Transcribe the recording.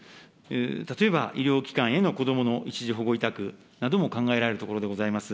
例えば医療機関へのこどもの一時保護委託なども考えられるところでございます。